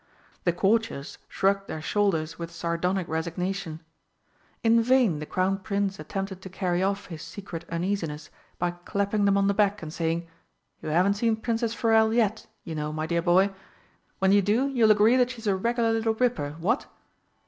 The Courtiers shrugged their shoulders with sardonic resignation. In vain the Crown Prince attempted to carry off his secret uneasiness by clapping them on the back and saying, "You haven't seen Princess Forelle yet, you know, dear boy. When you do, you'll agree that she's a regular little ripper what?"